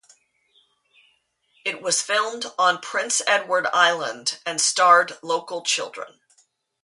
It was filmed on Prince Edward Island and starred local children.